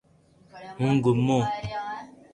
ھون گومو